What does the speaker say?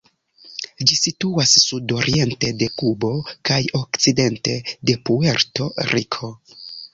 Ĝi situas sudoriente de Kubo kaj okcidente de Puerto-Riko.